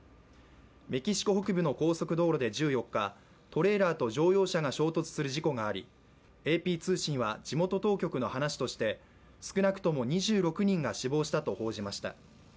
メキシコ北部の高速道路で１４日トレーラーと乗用車が衝突する事故がありＡＰ通信は地元当局の話として、少なくとも２６人が死亡したと報じました。